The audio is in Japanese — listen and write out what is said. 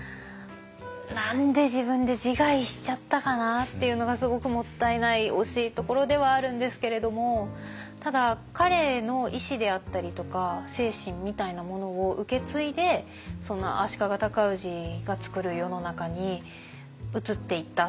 何で自分で自害しちゃったかなっていうのがすごくもったいない惜しいところではあるんですけれどもただ彼の意思であったりとか精神みたいなものを受け継いでその足利尊氏が作る世の中に移っていった。